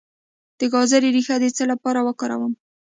د ګازرې ریښه د څه لپاره وکاروم؟